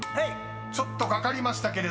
ちょっとかかりましたけれども］